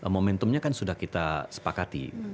momentumnya kan sudah kita sepakati